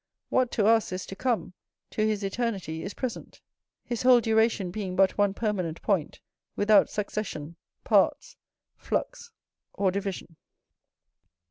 What to us is to come, to his eternity is present; his whole duration being but one permanent point, without succession, parts, flux, or division.